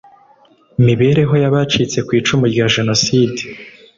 mibereho y abacitse ku icumu rya Jenoside